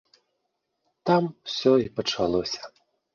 Там усё і пачалося.